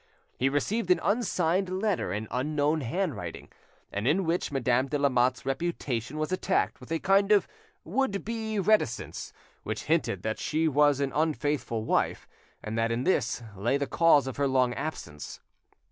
He received an unsigned letter in unknown handwriting, and in which Madame de Lamotte's reputation was attacked with a kind of would be reticence, which hinted that she was an unfaithful wife and that in this lay the cause of her long absence.